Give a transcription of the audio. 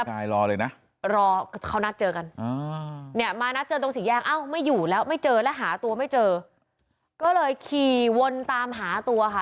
แต่รอน่าเจอกันมาเห็นตรงสี่แยกไม่อยู่แล้วไม่เจอและหาตัวไม่เจอก็เลยขี่วนตามหาตัวค่ะ